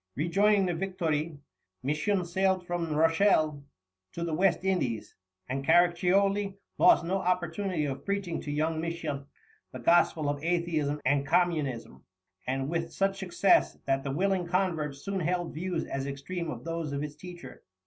Rejoining the Victoire, Misson sailed from Rochelle to the West Indies, and Caraccioli lost no opportunity of preaching to young Misson the gospel of atheism and communism, and with such success that the willing convert soon held views as extreme as those of his teacher.